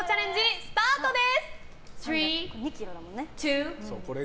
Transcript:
スタートです。